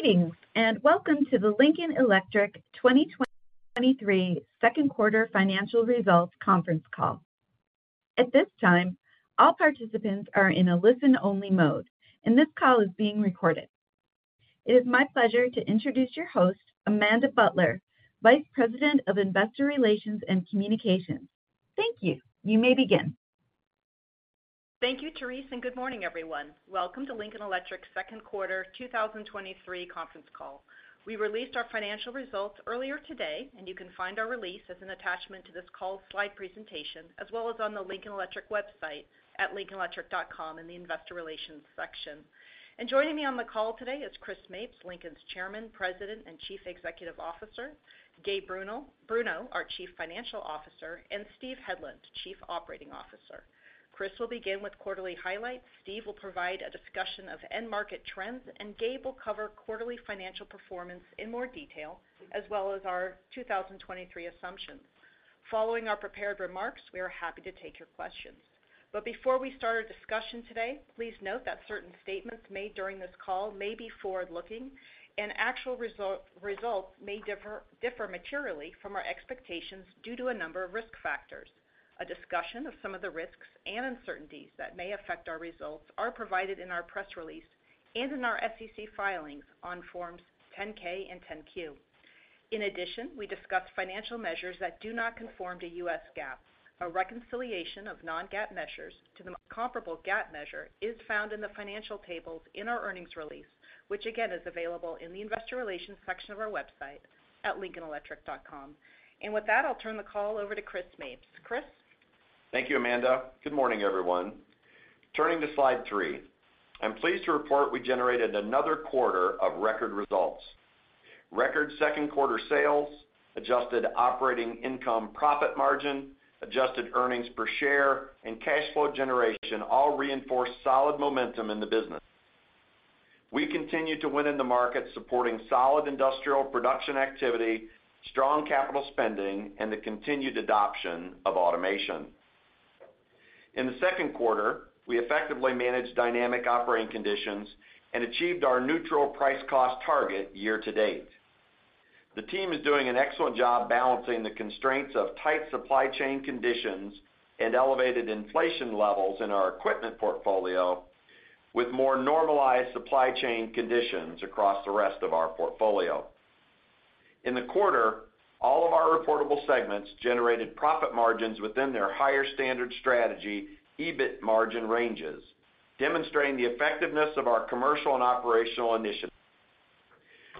Greetings, welcome to the Lincoln Electric 2023 second quarter financial results conference call. At this time, all participants are in a listen-only mode, and this call is being recorded. It is my pleasure to introduce your host, Amanda Butler, Vice President of Investor Relations and Communications. Thank you. You may begin. Thank you, Therese. Good morning, everyone. Welcome to Lincoln Electric's second quarter 2023 conference call. We released our financial results earlier today. You can find our release as an attachment to this call's slide presentation, as well as on the Lincoln Electric website at lincolnelectric.com in the Investor Relations section. Joining me on the call today is Chris Mapes, Lincoln's Chairman, President, and Chief Executive Officer, Gabe Bruno, our Chief Financial Officer, and Steve Hedlund, Chief Operating Officer. Chris will begin with quarterly highlights, Steve will provide a discussion of end market trends, and Gabe will cover quarterly financial performance in more detail, as well as our 2023 assumptions. Following our prepared remarks, we are happy to take your questions. Before we start our discussion today, please note that certain statements made during this call may be forward-looking, and actual results may differ materially from our expectations due to a number of risk factors. A discussion of some of the risks and uncertainties that may affect our results are provided in our press release and in our SEC filings on Forms 10-K and 10-Q. In addition, we discuss financial measures that do not conform to U.S. GAAP. A reconciliation of non-GAAP measures to the comparable GAAP measure is found in the financial tables in our earnings release, which again, is available in the Investor Relations section of our website at lincolnelectric.com. With that, I'll turn the call over to Chris Mapes. Chris? Thank you, Amanda. Good morning, everyone. Turning to slide 3. I'm pleased to report we generated another quarter of record results. Record second quarter sales, adjusted operating income, profit margin, adjusted earnings per share, and cash flow generation all reinforced solid momentum in the business. We continue to win in the market, supporting solid industrial production activity, strong capital spending, and the continued adoption of automation. In the second quarter, we effectively managed dynamic operating conditions and achieved our neutral price cost target year to date. The team is doing an excellent job balancing the constraints of tight supply chain conditions and elevated inflation levels in our equipment portfolio, with more normalized supply chain conditions across the rest of our portfolio. In the quarter, all of our reportable segments generated profit margins within their Higher Standard Strategy, EBIT margin ranges, demonstrating the effectiveness of our commercial and operational initiatives.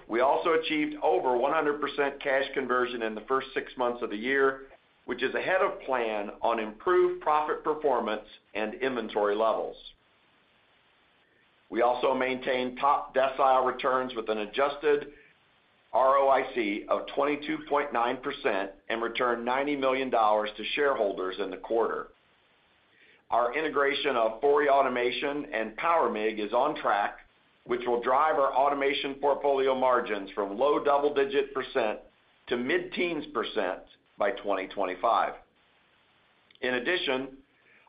We also achieved over 100% cash conversion in the first six months of the year, which is ahead of plan on improved profit performance and inventory levels. We also maintained top decile returns with an adjusted ROIC of 22.9% and returned $90 million to shareholders in the quarter. Our integration of Fori Automation and Power MIG is on track, which will drive our automation portfolio margins from low double-digit percent to mid-teens percent by 2025.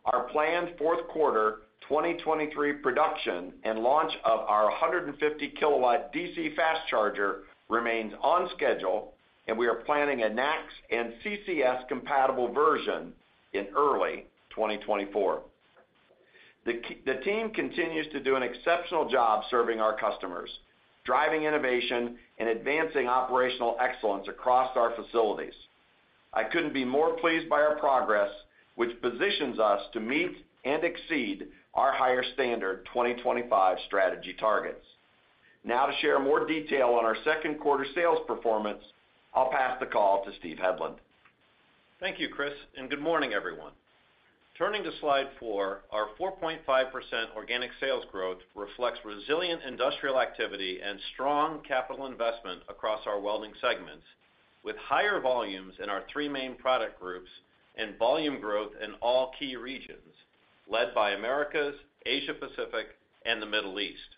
Our planned fourth quarter 2023 production and launch of our 150 kW DC fast charger remains on schedule, and we are planning a NACS and CCS-compatible version in early 2024. The team continues to do an exceptional job serving our customers, driving innovation, and advancing operational excellence across our facilities. I couldn't be more pleased by our progress, which positions us to meet and exceed our Higher Standard 2025 Strategy targets. Now to share more detail on our second quarter sales performance, I'll pass the call to Steve Hedlund. Thank you, Chris. Good morning, everyone. Turning to slide 4, our 4.5% organic sales growth reflects resilient industrial activity and strong capital investment across our welding segments, with higher volumes in our three main product groups and volume growth in all key regions, led by Americas, Asia Pacific, and the Middle East.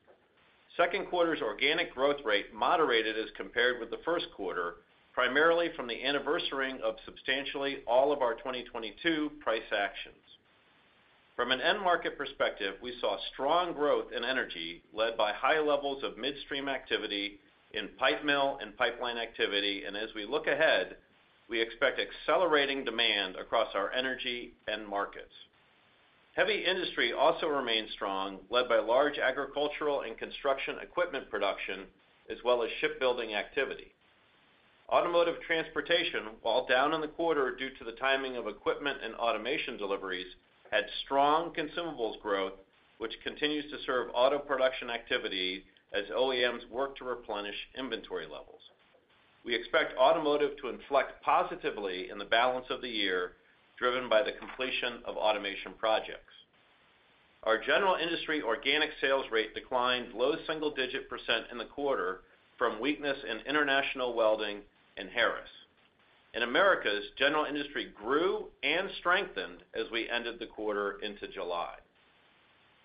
Second quarter's organic growth rate moderated as compared with the first quarter, primarily from the anniversarying of substantially all of our 2022 price actions. From an end market perspective, we saw strong growth in energy, led by high levels of midstream activity in pipe mill and pipeline activity, and as we look ahead, we expect accelerating demand across our energy end markets. Heavy industry also remains strong, led by large agricultural and construction equipment production, as well as shipbuilding activity. Automotive transportation, while down in the quarter due to the timing of equipment and automation deliveries, had strong consumables growth, which continues to serve auto production activity as OEMs work to replenish inventory levels. We expect automotive to inflect positively in the balance of the year, driven by the completion of automation projects. Our general industry organic sales rate declined low single-digit percent in the quarter from weakness in International Welding and Harris. In Americas, general industry grew and strengthened as we ended the quarter into July.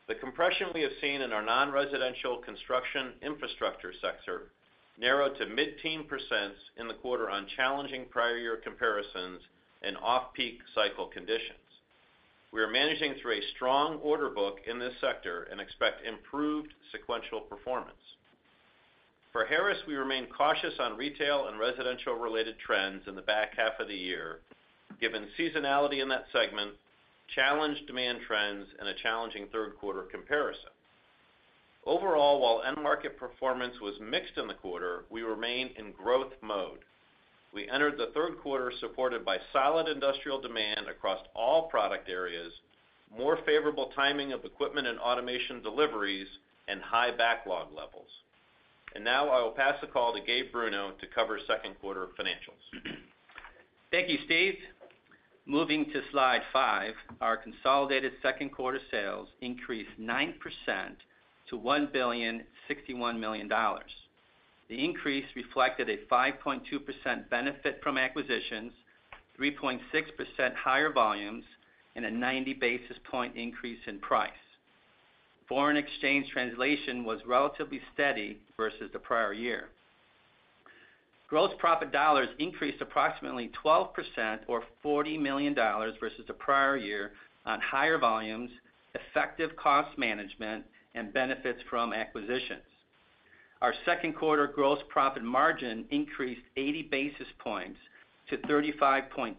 The compression we have seen in our non-residential construction infrastructure sector narrowed to mid-teen percent in the quarter on challenging prior year comparisons and off-peak cycle conditions. We are managing through a strong order book in this sector and expect improved sequential performance. For Harris, we remain cautious on retail and residential-related trends in the back half of the year, given seasonality in that segment, challenged demand trends, and a challenging third quarter comparison. Overall, while end market performance was mixed in the quarter, we remain in growth mode. We entered the third quarter supported by solid industrial demand across all product areas, more favorable timing of equipment and automation deliveries, and high backlog levels. Now I will pass the call to Gabe Bruno to cover second quarter financials. Thank you, Steve. Moving to slide 5, our consolidated second quarter sales increased 9% to $1,061 million. The increase reflected a 5.2% benefit from acquisitions, 3.6% higher volumes, and a 90 basis point increase in price. Foreign exchange translation was relatively steady versus the prior year. Gross profit dollars increased approximately 12% or $40 million versus the prior year on higher volumes, effective cost management, and benefits from acquisitions. Our second quarter gross profit margin increased 80 basis points to 35.2%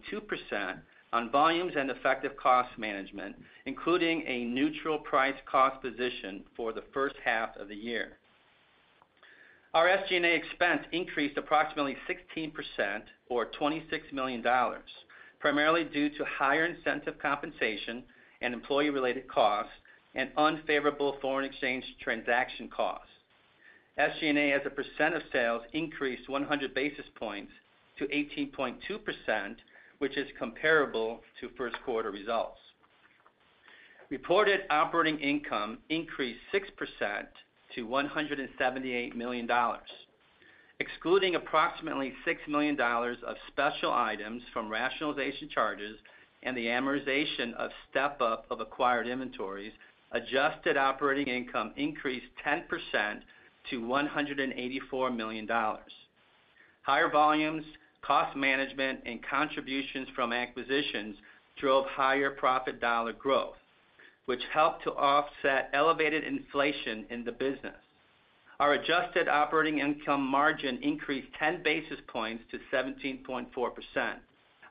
on volumes and effective cost management, including a neutral price cost position for the first half of the year. Our SG&A expense increased approximately 16% or $26 million, primarily due to higher incentive compensation and employee-related costs, and unfavorable foreign exchange transaction costs. SG&A, as a percent of sales, increased 100 basis points to 18.2%, which is comparable to first quarter results. Reported operating income increased 6% to $178 million. Excluding approximately $6 million of special items from rationalization charges and the amortization of step-up of acquired inventories, adjusted operating income increased 10% to $184 million. Higher volumes, cost management, and contributions from acquisitions drove higher profit dollar growth, which helped to offset elevated inflation in the business. Our adjusted operating income margin increased 10 basis points to 17.4%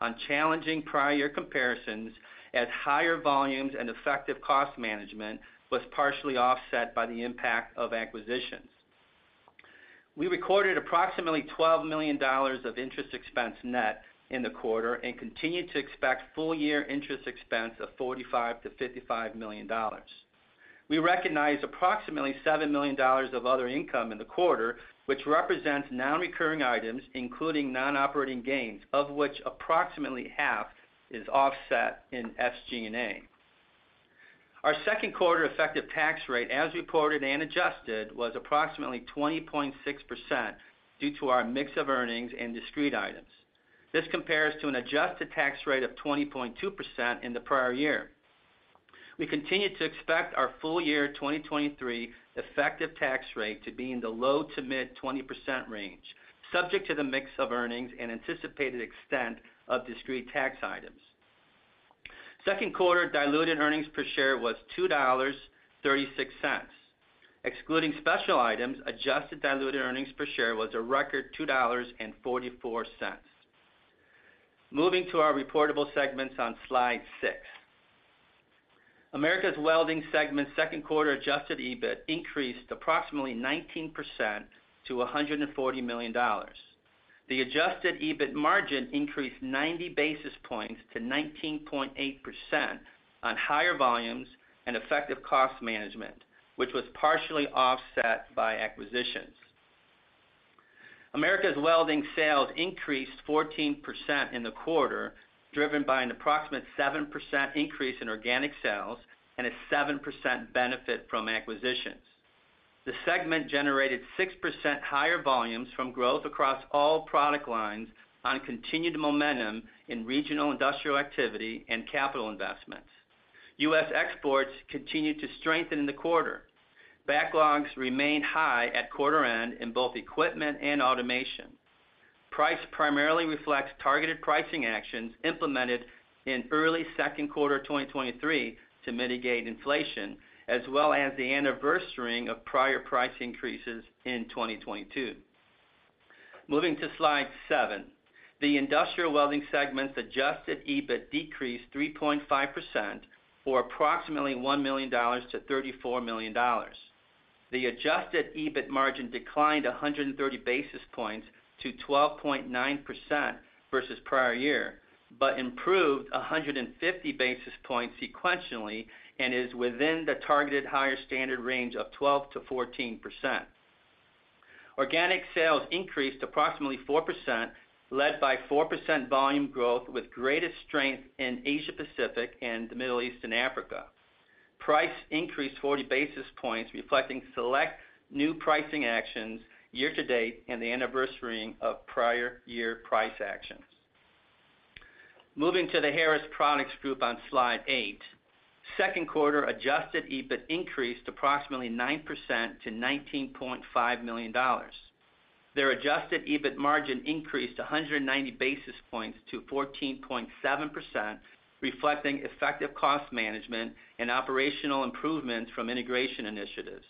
on challenging prior year comparisons, as higher volumes and effective cost management was partially offset by the impact of acquisitions. We recorded approximately $12 million of interest expense net in the quarter and continued to expect full-year interest expense of $45 million-$55 million. We recognized approximately $7 million of other income in the quarter, which represents non-recurring items, including non-operating gains, of which approximately half is offset in SG&A. Our second quarter effective tax rate, as reported and adjusted, was approximately 20.6% due to our mix of earnings and discrete items. This compares to an adjusted tax rate of 20.2% in the prior year. We continue to expect our full year 2023 effective tax rate to be in the low to mid-20% range, subject to the mix of earnings and anticipated extent of discrete tax items. Second quarter diluted earnings per share was $2.36. Excluding special items, adjusted diluted earnings per share was a record $2.44. Moving to our reportable segments on slide 6. Americas Welding segment second quarter Adjusted EBIT increased approximately 19% to $140 million. The Adjusted EBIT margin increased 90 basis points to 19.8% on higher volumes and effective cost management, which was partially offset by acquisitions. Americas Welding sales increased 14% in the quarter, driven by an approximate 7% increase in organic sales and a 7% benefit from acquisitions. The segment generated 6% higher volumes from growth across all product lines on continued momentum in regional industrial activity and capital investments. U.S. exports continued to strengthen in the quarter. Backlogs remained high at quarter end in both equipment and automation. Price primarily reflects targeted pricing actions implemented in early second quarter 2023 to mitigate inflation, as well as the anniversarying of prior price increases in 2022. Moving to slide 7. The International Welding segment's Adjusted EBIT decreased 3.5%, or approximately $1 million to $34 million. The Adjusted EBIT margin declined 130 basis points to 12.9% versus prior year, but improved 150 basis points sequentially and is within the targeted Higher Standard range of 12%-14%. Organic sales increased approximately 4%, led by 4% volume growth, with greatest strength in Asia Pacific and the Middle East and Africa. Price increased 40 basis points, reflecting select new pricing actions year-to-date and the anniversarying of prior year price actions. Moving to the Harris Products Group on slide 8. Second quarter Adjusted EBIT increased approximately 9% to $19.5 million. Their Adjusted EBIT margin increased 190 basis points to 14.7%, reflecting effective cost management and operational improvements from integration initiatives.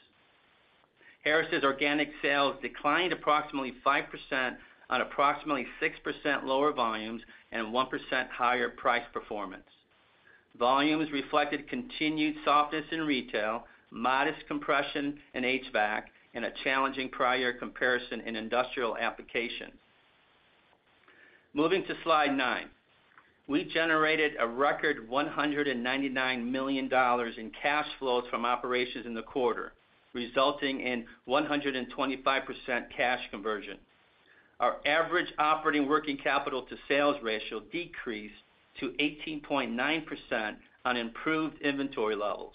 Harris's organic sales declined approximately 5% on approximately 6% lower volumes and 1% higher price performance. Volumes reflected continued softness in retail, modest compression in HVAC, and a challenging prior comparison in industrial application. Moving to slide 9. We generated a record $199 million in cash flows from operations in the quarter, resulting in 125% cash conversion. Our average operating working capital to sales ratio decreased to 18.9% on improved inventory levels.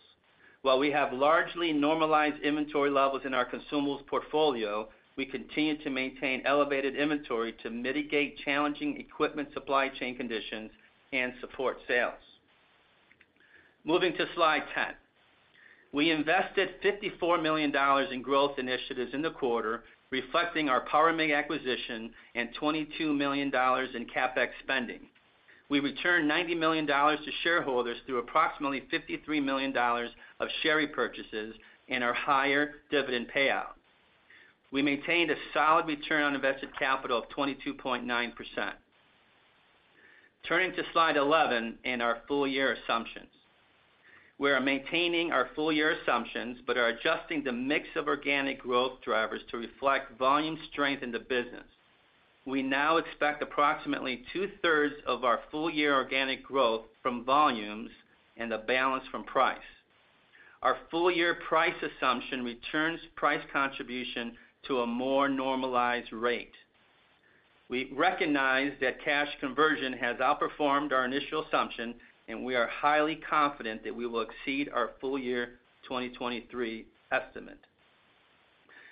While we have largely normalized inventory levels in our consumables portfolio, we continue to maintain elevated inventory to mitigate challenging equipment, supply chain conditions, and support sales. Moving to slide 10. We invested $54 million in growth initiatives in the quarter, reflecting our Fori acquisition and $22 million in CapEx spending. We returned $90 million to shareholders through approximately $53 million of share repurchases and our higher dividend payout. We maintained a solid return on invested capital of 22.9%. Turning to slide 11 and our full year assumptions. We are maintaining our full year assumptions, but are adjusting the mix of organic growth drivers to reflect volume strength in the business. We now expect approximately 2/3 of our full-year organic growth from volumes and the balance from price. Our full year price assumption returns price contribution to a more normalized rate. We recognize that cash conversion has outperformed our initial assumption, and we are highly confident that we will exceed our full year 2023 estimate.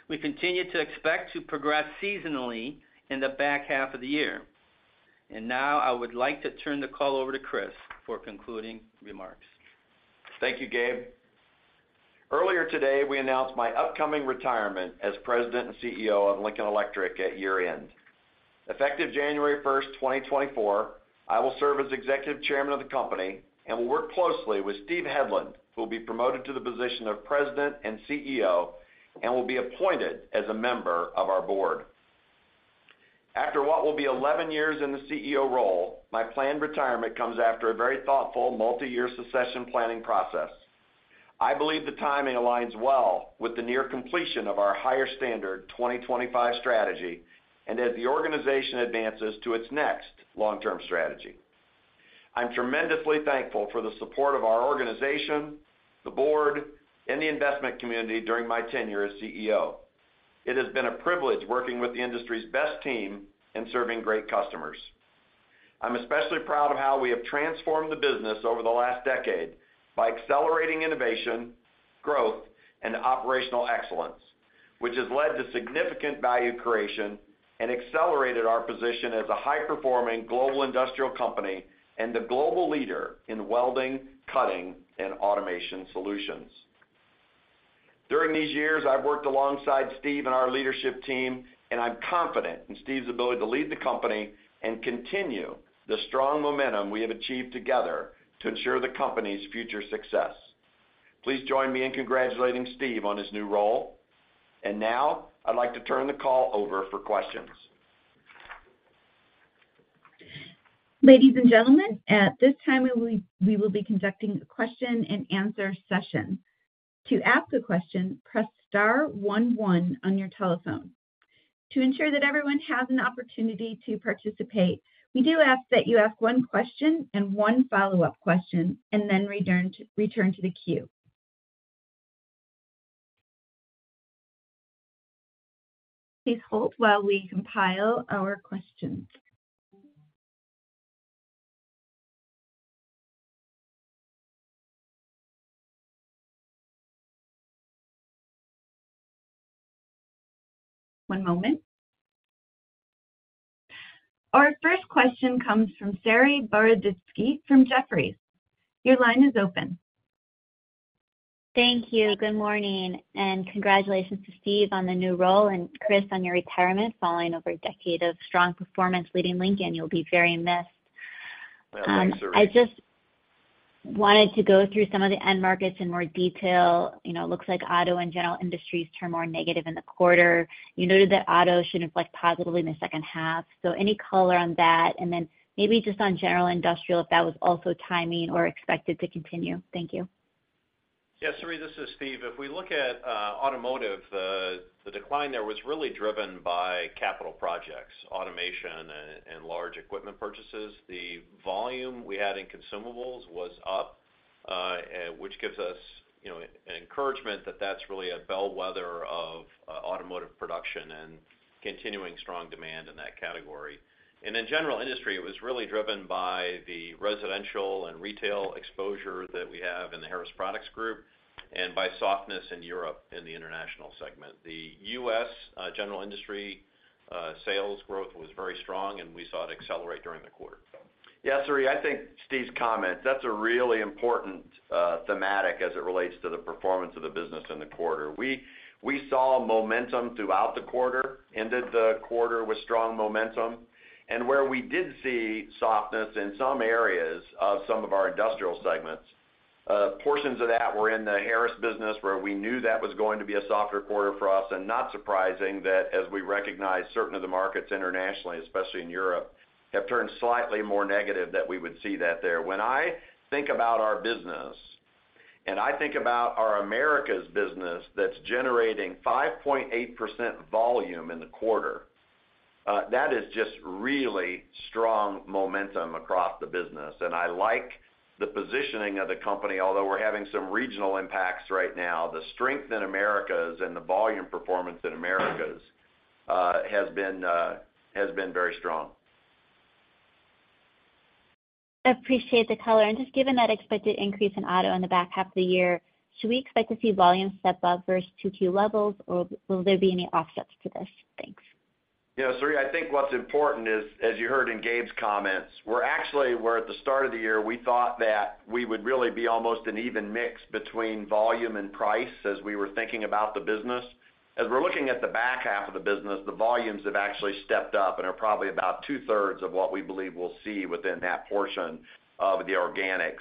We continue to expect to progress seasonally in the back half of the year. Now I would like to turn the call over to Chris for concluding remarks. Thank you, Gabe. Earlier today, we announced my upcoming retirement as President and CEO of Lincoln Electric at year-end. Effective January 1, 2024, I will serve as Executive Chairman of the company and will work closely with Steve Hedlund, who will be promoted to the position of President and CEO, and will be appointed as a member of our board. After what will be 11 years in the CEO role, my planned retirement comes after a very thoughtful, multi-year succession planning process. I believe the timing aligns well with the near completion of our Higher Standard 2025 Strategy and as the organization advances to its next long-term strategy. I'm tremendously thankful for the support of our organization, the board, and the investment community during my tenure as CEO. It has been a privilege working with the industry's best team and serving great customers. I'm especially proud of how we have transformed the business over the last decade by accelerating innovation, growth, and operational excellence, which has led to significant value creation and accelerated our position as a high-performing global industrial company and the global leader in welding, cutting, and automation solutions. During these years, I've worked alongside Steve and our leadership team, and I'm confident in Steve's ability to lead the company and continue the strong momentum we have achieved together to ensure the company's future success. Please join me in congratulating Steve on his new role. Now I'd like to turn the call over for questions. Ladies and gentlemen, at this time, we will be conducting a question-and-answer session. To ask a question, press star one, one on your telephone. To ensure that everyone has an opportunity to participate, we do ask that you ask one question and one follow-up question, and then return to the queue. Please hold while we compile our questions. One moment. Our first question comes from Saree Boroditsky from Jefferies. Your line is open. Thank you. Good morning, and congratulations to Steve on the new role, and Chris, on your retirement, following over a decade of strong performance leading Lincoln, you'll be very missed. Thanks, Saree. I just wanted to go through some of the end markets in more detail. You know, it looks like auto and general industries turn more negative in the quarter. You noted that auto should reflect positively in the second half. Any color on that? Maybe just on general industrial, if that was also timing or expected to continue. Thank you. Yes, Saree, this is Steve. If we look at automotive, the decline there was really driven by capital projects, automation and large equipment purchases. The volume we had in consumables was up, which gives us, you know, encouragement that that's really a bellwether of automotive production and continuing strong demand in that category. In general industry, it was really driven by the residential and retail exposure that we have in the Harris Products Group and by softness in Europe in the international segment. The U.S. general industry sales growth was very strong. We saw it accelerate during the quarter. Saree, I think Steve's comments, that's a really important thematic as it relates to the performance of the business in the quarter. We saw momentum throughout the quarter, ended the quarter with strong momentum. Where we did see softness in some areas of some of our industrial segments, portions of that were in the Harris business, where we knew that was going to be a softer quarter for us, and not surprising that as we recognize, certain of the markets internationally, especially in Europe, have turned slightly more negative, that we would see that there. When I think about our business, and I think about our Americas business, that's generating 5.8% volume in the quarter, that is just really strong momentum across the business. I like the positioning of the company, although we're having some regional impacts right now, the strength in Americas and the volume performance in Americas, has been very strong. I appreciate the color. Just given that expected increase in auto in the back half of the year, should we expect to see volumes step up versus 2Q levels, or will there be any offsets to this? Thanks. Yeah, Saree, I think what's important is, as you heard in Gabe's comments, we're actually, we're at the start of the year, we thought that we would really be almost an even mix between volume and price as we were thinking about the business. As we're looking at the back half of the business, the volumes have actually stepped up and are probably about 2/3 of what we believe we'll see within that portion of the organic.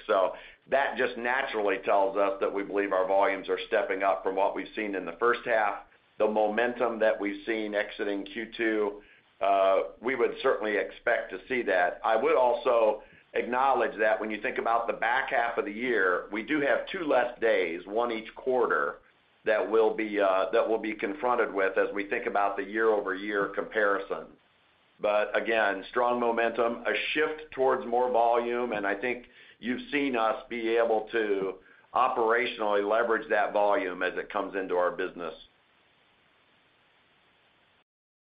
That just naturally tells us that we believe our volumes are stepping up from what we've seen in the first half. The momentum that we've seen exiting Q2, we would certainly expect to see that. I would also acknowledge that when you think about the back half of the year, we do have two less days, one each quarter, that will be confronted with as we think about the year-over-year comparisons. Again, strong momentum, a shift towards more volume, and I think you've seen us be able to operationally leverage that volume as it comes into our business.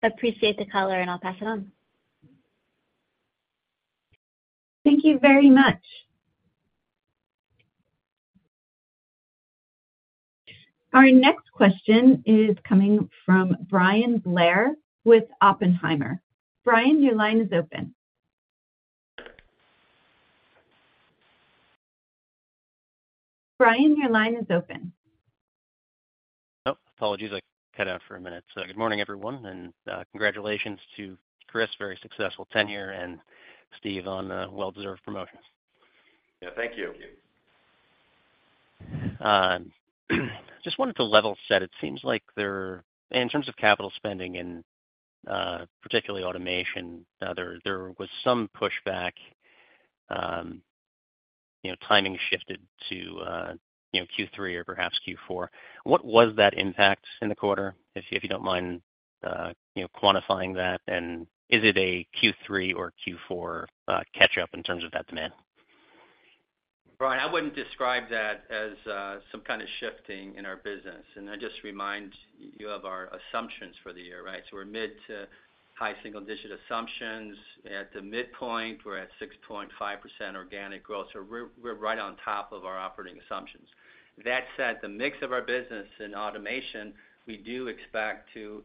Appreciate the color, and I'll pass it on. Thank you very much. Our next question is coming from Bryan Blair with Oppenheimer. Bryan, your line is open. Oh, apologies. I cut out for a minute. Good morning, everyone, and congratulations to Chris, very successful tenure, and Steve on a well-deserved promotion. Yeah, thank you. Thank you. Just wanted to level set. It seems like in terms of capital spending and particularly automation, there was some pushback, you know, timing shifted to, you know, Q3 or perhaps Q4. What was that impact in the quarter, if you don't mind, you know, quantifying that? Is it a Q3 or Q4, catch up in terms of that demand? Bryan, I wouldn't describe that as some kind of shifting in our business. I just remind you of our assumptions for the year, right? We're mid to high single-digit assumptions. At the midpoint, we're at 6.5% organic growth, we're right on top of our operating assumptions. That said, the mix of our business in automation, we do expect to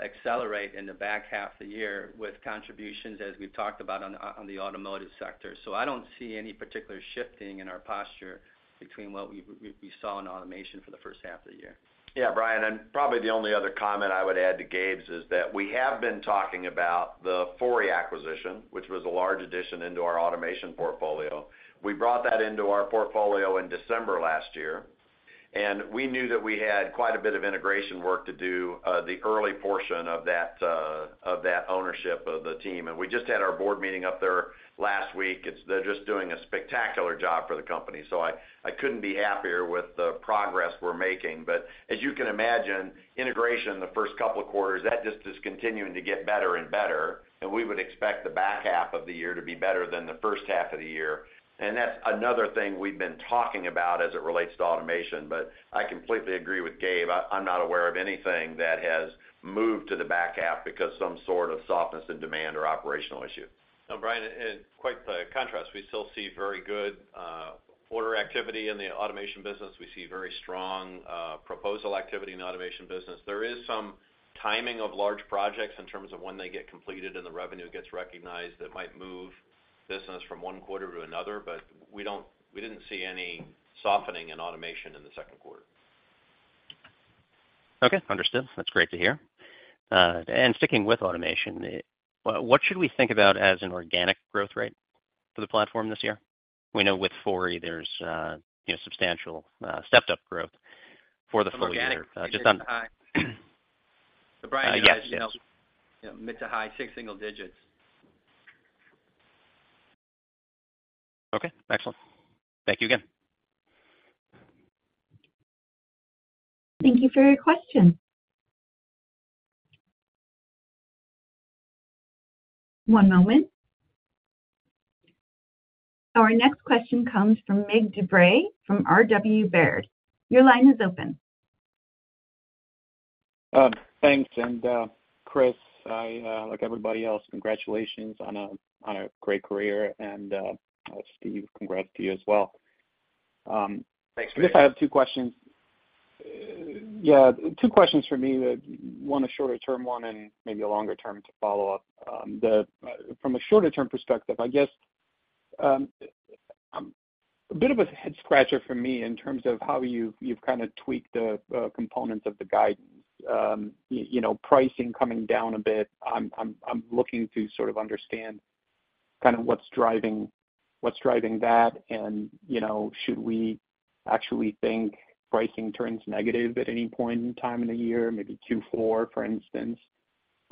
accelerate in the back half of the year with contributions, as we've talked about on the automotive sector. I don't see any particular shifting in our posture between what we saw in automation for the first half of the year. Yeah, Bryan. Probably the only other comment I would add to Gabe's is that we have been talking about the Fori acquisition, which was a large addition into our automation portfolio. We brought that into our portfolio in December last year, and we knew that we had quite a bit of integration work to do, the early portion of that, of that ownership of the team. We just had our board meeting up there last week. They're just doing a spectacular job for the company, so I couldn't be happier with the progress we're making. As you can imagine, integration in the first couple of quarters, that just is continuing to get better and better, and we would expect the back half of the year to be better than the first half of the year. That's another thing we've been talking about as it relates to automation. I completely agree with Gabe. I'm not aware of anything that has moved to the back half because some sort of softness in demand or operational issue. Bryan, in quite the contrast, we still see very good order activity in the automation business. We see very strong proposal activity in automation business. There is some timing of large projects in terms of when they get completed and the revenue gets recognized, that might move business from one quarter to another, but we didn't see any softening in automation in the second quarter. Okay, understood. That's great to hear. Sticking with automation, what should we think about as an organic growth rate for the platform this year? We know with Fori, there's, you know, substantial, stepped-up growth for the full year. Organic. Just on- So Bryan- Yes. Mid to high, six single digits. Okay, excellent. Thank you again. Thank you for your question. One moment. Our next question comes from Mig Dobre, from RW Baird. Your line is open. Thanks. Chris, I, like everybody else, congratulations on a great career. Steve, congrats to you as well. Thanks. Chris, I have two questions. Yeah, two questions for me, one, a shorter-term one, and maybe a longer term to follow up. From a shorter-term perspective, I guess, a bit of a head scratcher for me in terms of how you've kind of tweaked the components of the guidance. You know, pricing coming down a bit, I'm looking to sort of understand what's driving that, and, you know, should we actually think pricing turns negative at any point in time in the year, maybe Q4, for instance?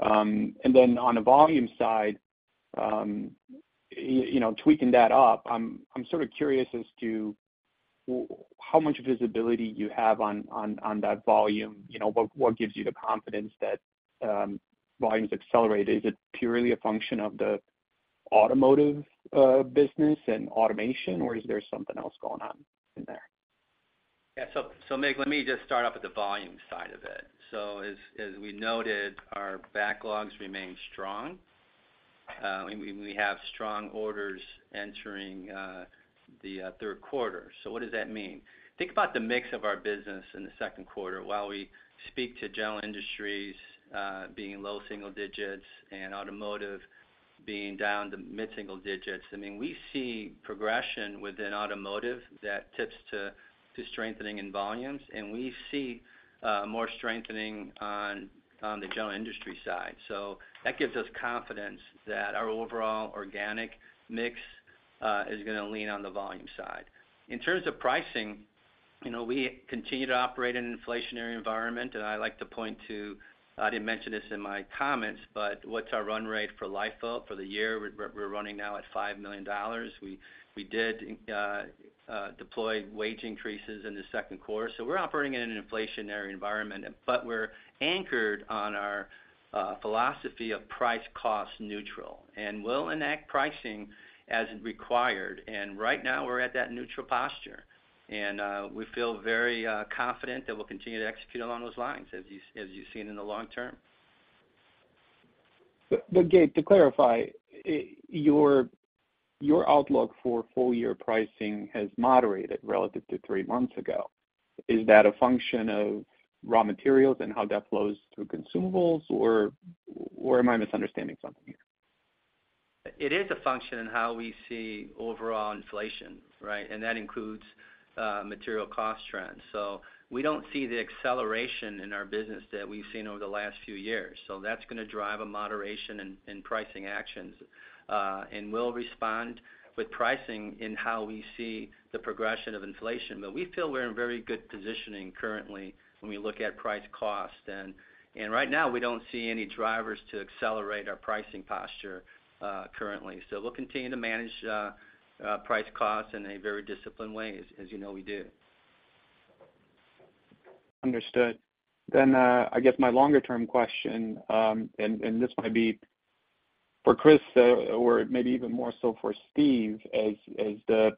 On the volume side, you know, tweaking that up, I'm sort of curious as to how much visibility you have on that volume. You know, what gives you the confidence that volumes accelerate? Is it purely a function of the automotive business and automation, or is there something else going on in there? Mig, let me just start off with the volume side of it. As we noted, our backlogs remain strong, and we have strong orders entering the third quarter. What does that mean? Think about the mix of our business in the second quarter, while we speak to general industries being low single digits and automotive being down to mid-single digits. I mean, we see progression within automotive that tips to strengthening in volumes, and we see more strengthening on the general industry side. That gives us confidence that our overall organic mix is going to lean on the volume side. In terms of pricing, you know, we continue to operate in an inflationary environment. I like to point to, I didn't mention this in my comments, but what's our run rate for LIFO for the year? We're running now at $5 million. We did deploy wage increases in the second quarter. We're operating in an inflationary environment, but we're anchored on our philosophy of price cost neutral, and we'll enact pricing as required. Right now, we're at that neutral posture, and we feel very confident that we'll continue to execute along those lines, as you've seen in the long term. Gabe, to clarify, your outlook for full year pricing has moderated relative to three months ago? Is that a function of raw materials and how that flows through consumables, or am I misunderstanding something here? It is a function in how we see overall inflation, right? That includes material cost trends. We don't see the acceleration in our business that we've seen over the last few years. That's going to drive a moderation in pricing actions. We'll respond with pricing in how we see the progression of inflation. We feel we're in very good positioning currently when we look at price cost. Right now, we don't see any drivers to accelerate our pricing posture currently. We'll continue to manage price costs in a very disciplined way, as you know we do. Understood. I guess my longer-term question, and, and this might be for Chris, or maybe even more so for Steve, as, as the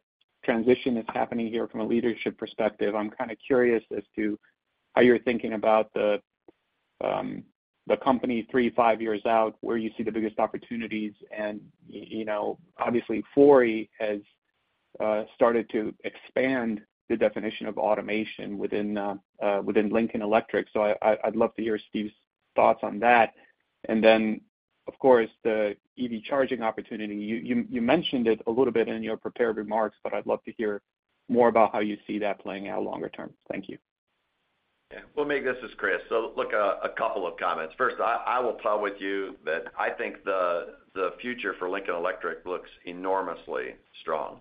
transition is happening here from a leadership perspective, I'm kind of curious as to how you're thinking about the company three, five years out, where you see the biggest opportunities. You know, obviously, Fori has started to expand the definition of automation within, within Lincoln Electric, so I'd love to hear Steve's thoughts on that. Of course, the EV charging opportunity. You mentioned it a little bit in your prepared remarks, but I'd love to hear more about how you see that playing out longer term. Thank you. Yeah. Well, Mig, this is Chris. Look, a couple of comments. First, I will tell with you that I think the future for Lincoln Electric looks enormously strong.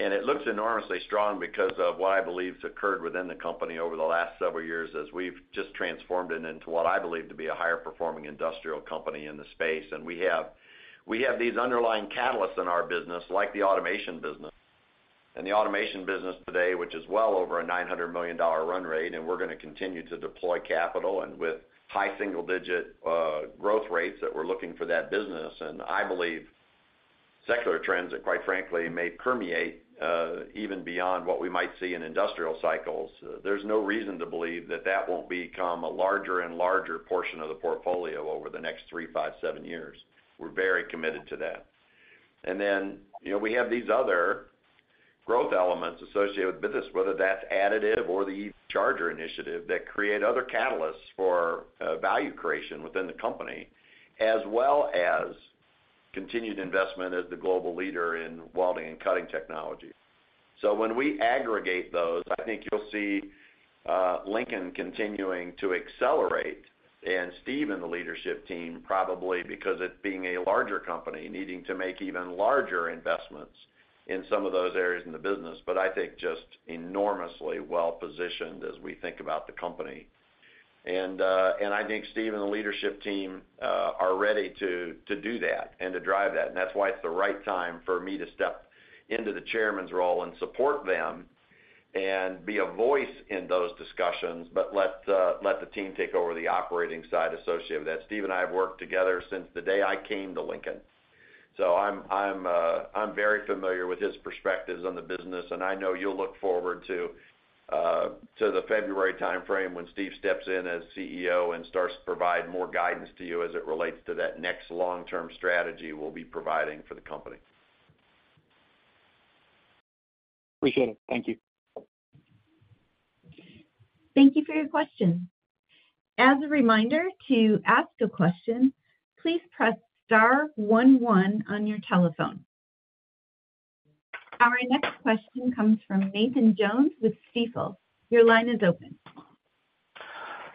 It looks enormously strong because of what I believe has occurred within the company over the last several years, as we've just transformed it into what I believe to be a higher performing industrial company in the space. We have these underlying catalysts in our business, like the automation business. The automation business today, which is well over a $900 million run rate, and we're going to continue to deploy capital and with high single digit growth rates that we're looking for that business. I believe secular trends that, quite frankly, may permeate even beyond what we might see in industrial cycles. There's no reason to believe that won't become a larger and larger portion of the portfolio over the next three, five, seven years. We're very committed to that. Then, you know, we have these other growth elements associated with business, whether that's additive or the charger initiative, that create other catalysts for value creation within the company, as well as continued investment as the global leader in welding and cutting technology. When we aggregate those, I think you'll see Lincoln continuing to accelerate, and Steve and the leadership team, probably because it being a larger company, needing to make even larger investments in some of those areas in the business, but I think just enormously well-positioned as we think about the company. I think Steve and the leadership team are ready to do that and to drive that. That's why it's the right time for me to step into the chairman's role and support them and be a voice in those discussions, but let the team take over the operating side associated with that. Steve and I have worked together since the day I came to Lincoln, so I'm very familiar with his perspectives on the business, and I know you'll look forward to the February timeframe when Steve steps in as CEO and starts to provide more guidance to you as it relates to that next long-term strategy we'll be providing for the company. Appreciate it. Thank you. Thank you for your question. As a reminder, to ask a question, please press star one, one on your telephone. Our next question comes from Nathan Jones with Stifel. Your line is open.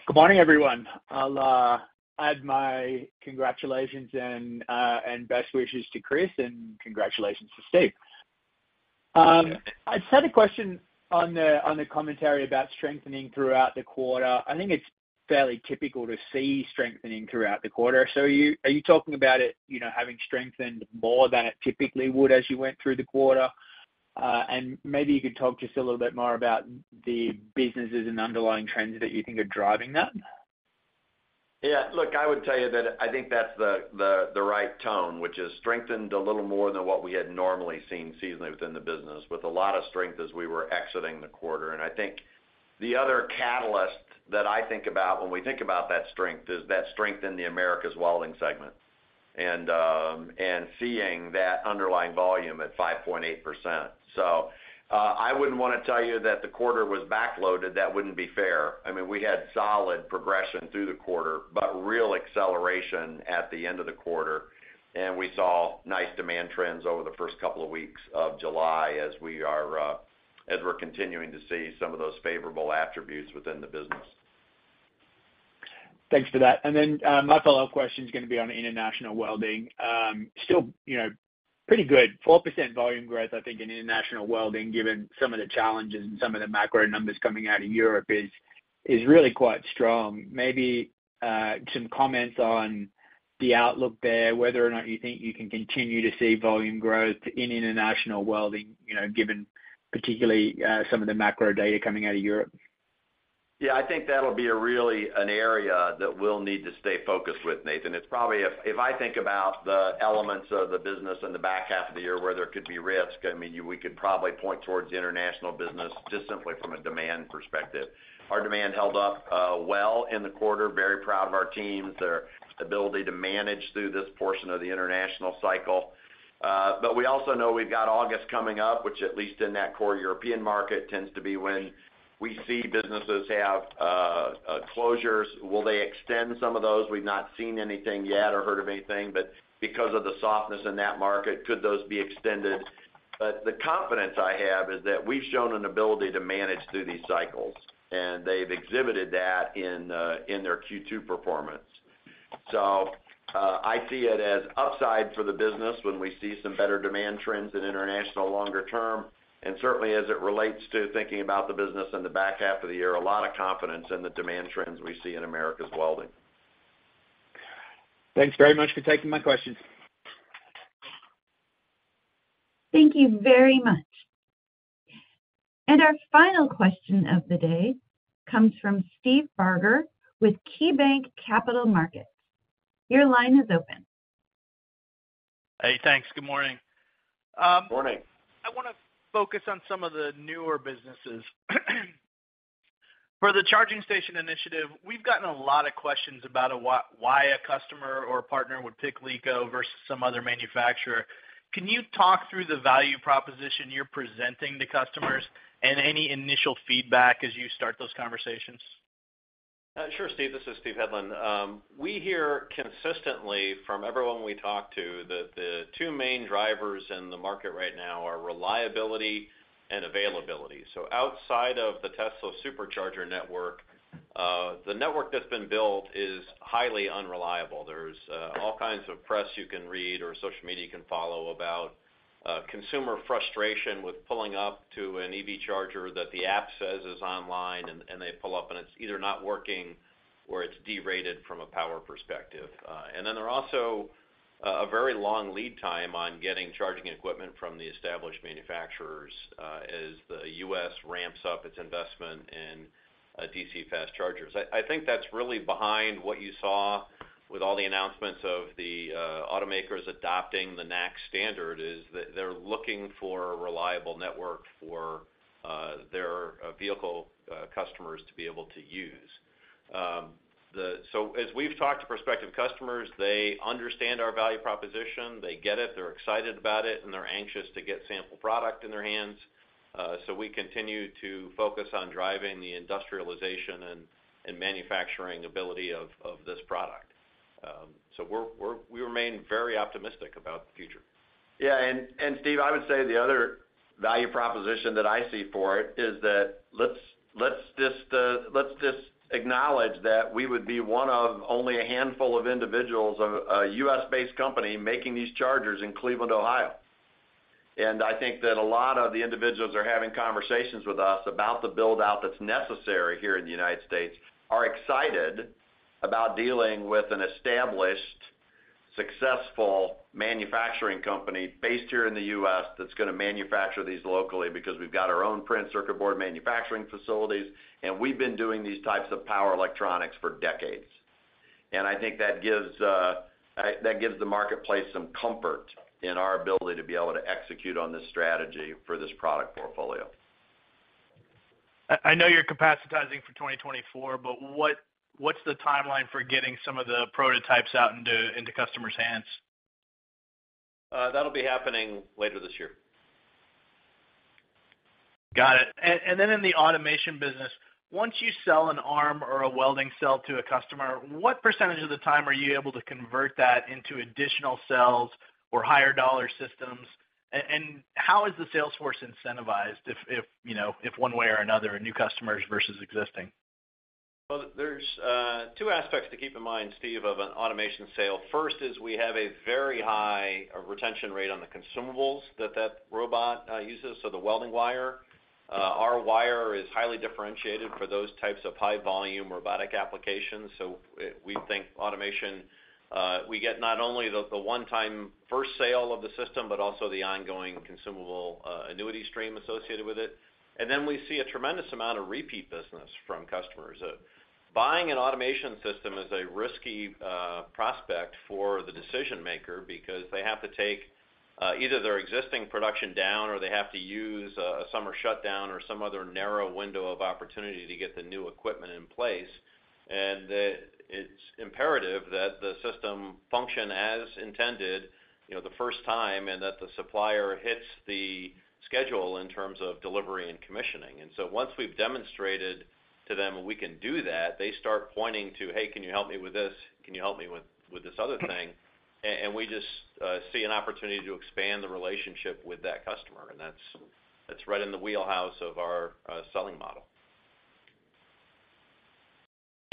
Good morning, everyone. I'll add my congratulations and best wishes to Chris, and congratulations to Steve. I just had a question on the commentary about strengthening throughout the quarter. I think it's fairly typical to see strengthening throughout the quarter. Are you talking about it, you know, having strengthened more than it typically would as you went through the quarter? Maybe you could talk just a little bit more about the businesses and underlying trends that you think are driving that. Yeah, look, I would tell you that I think that's the right tone, which is strengthened a little more than what we had normally seen seasonally within the business, with a lot of strength as we were exiting the quarter. I think the other catalyst that I think about when we think about that strength, is that strength in the Americas Welding segment, and seeing that underlying volume at 5.8%. I wouldn't want to tell you that the quarter was backloaded. That wouldn't be fair. I mean, we had solid progression through the quarter, but real acceleration at the end of the quarter, and we saw nice demand trends over the first couple of weeks of July as we are, as we're continuing to see some of those favorable attributes within the business. Thanks for that. My follow-up question is gonna be on International Welding. Still, you know, pretty good. 4% volume growth, I think, in International Welding, given some of the challenges and some of the macro numbers coming out of Europe is really quite strong. Maybe some comments on the outlook there, whether or not you think you can continue to see volume growth in International Welding, you know, given particularly some of the macro data coming out of Europe. Yeah, I think that'll be a really an area that we'll need to stay focused with, Nathan. It's probably if I think about the elements of the business in the back half of the year where there could be risk, I mean, we could probably point towards the international business, just simply from a demand perspective. Our demand held up well in the quarter. Very proud of our teams, their ability to manage through this portion of the international cycle. We also know we've got August coming up, which at least in that core European market, tends to be when we see businesses have closures. Will they extend some of those? We've not seen anything yet or heard of anything, but because of the softness in that market, could those be extended? The confidence I have is that we've shown an ability to manage through these cycles, and they've exhibited that in their Q2 performance. I see it as upside for the business when we see some better demand trends in international longer term, and certainly as it relates to thinking about the business in the back half of the year, a lot of confidence in the demand trends we see in Americas Welding. Thanks very much for taking my questions. Thank you very much. Our final question of the day comes from Steve Barger with KeyBanc Capital Markets. Your line is open. Hey, thanks. Good morning. Morning. I wanna focus on some of the newer businesses. For the charging station initiative, we've gotten a lot of questions about a why a customer or partner would pick LECO versus some other manufacturer. Can you talk through the value proposition you're presenting to customers and any initial feedback as you start those conversations? Sure, Steve. This is Steve Hedlund. We hear consistently from everyone we talk to, that the two main drivers in the market right now are reliability and availability. Outside of the Tesla Supercharger network, the network that's been built is highly unreliable. There's all kinds of press you can read or social media you can follow about consumer frustration with pulling up to an EV charger that the app says is online, and they pull up, and it's either not working or it's derated from a power perspective. And then there are also a very long lead time on getting charging equipment from the established manufacturers, as the U.S. ramps up its investment in DC fast chargers. I think that's really behind what you saw with all the announcements of the automakers adopting the NACS standard, is that they're looking for a reliable network for their vehicle customers to be able to use. As we've talked to prospective customers, they understand our value proposition. They get it, they're excited about it, and they're anxious to get sample product in their hands. We continue to focus on driving the industrialization and manufacturing ability of this product. We remain very optimistic about the future. Yeah, and Steve, I would say the other value proposition that I see for it is that let's just acknowledge that we would be one of only a handful of individuals, of a U.S.-based company making these chargers in Cleveland, Ohio. I think that a lot of the individuals are having conversations with us about the build-out that's necessary here in the United States, are excited about dealing with an established, successful manufacturing company based here in the U.S., that's gonna manufacture these locally. We've got our own printed circuit board manufacturing facilities, and we've been doing these types of power electronics for decades. I think that gives the marketplace some comfort in our ability to be able to execute on this strategy for this product portfolio. I know you're capacitizing for 2024, but what's the timeline for getting some of the prototypes out into customers' hands? That'll be happening later this year. Got it. Then in the automation business, once you sell an arm or a welding cell to a customer, what percentage of the time are you able to convert that into additional cells or higher dollar systems? How is the sales force incentivized if, you know, one way or another, new customers versus existing? Well, there's two aspects to keep in mind, Steve, of an automation sale. First, is we have a very high retention rate on the consumables that robot uses, so the welding wire. Our wire is highly differentiated for those types of high volume robotic applications. We think automation, we get not only the one-time first sale of the system, but also the ongoing consumable annuity stream associated with it. We see a tremendous amount of repeat business from customers. Buying an automation system is a risky prospect for the decision maker because they have to take either their existing production down, or they have to use a summer shutdown or some other narrow window of opportunity to get the new equipment in place. It's imperative that the system function as intended, you know, the first time, and that the supplier hits the schedule in terms of delivery and commissioning. Once we've demonstrated to them we can do that, they start pointing to, "Hey, can you help me with this? Can you help me with this other thing?" We just see an opportunity to expand the relationship with that customer, and that's, that's right in the wheelhouse of our selling model.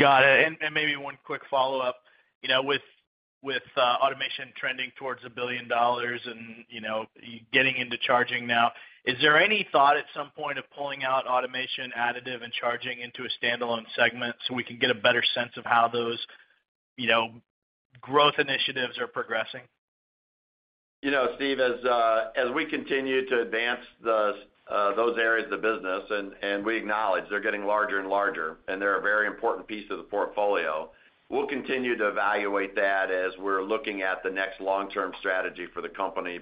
Got it. Maybe one quick follow-up. You know, with, with automation trending towards $1 billion and, you know, getting into charging now, is there any thought at some point of pulling out automation, additive, and charging into a standalone segment so we can get a better sense of how those, you know, growth initiatives are progressing? You know, Steve, as we continue to advance those areas of the business, and we acknowledge they're getting larger and larger, and they're a very important piece of the portfolio, we'll continue to evaluate that as we're looking at the next long-term strategy for the company.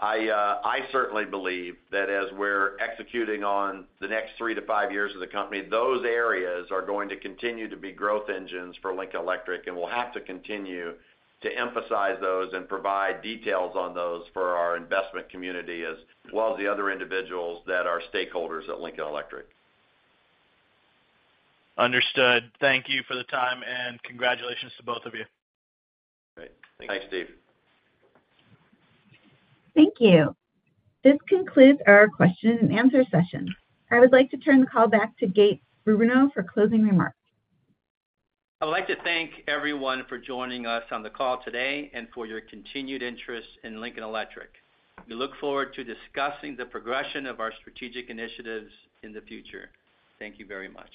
I certainly believe that as we're executing on the next three to five years of the company, those areas are going to continue to be growth engines for Lincoln Electric, and we'll have to continue to emphasize those and provide details on those for our investment community, as well as the other individuals that are stakeholders at Lincoln Electric. Understood. Thank you for the time, and congratulations to both of you. Great. Thanks, Steve. Thank you. This concludes our question-and-answer session. I would like to turn the call back to Gabe Bruno for closing remarks. I'd like to thank everyone for joining us on the call today, and for your continued interest in Lincoln Electric. We look forward to discussing the progression of our strategic initiatives in the future. Thank you very much.